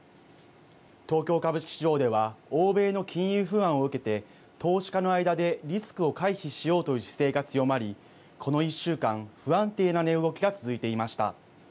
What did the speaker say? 東京株式市場では欧米の金融不安を受けて投資家の間でリスクを回避しようという姿勢が強まりこの１週間、不安定な値動きが続いていました。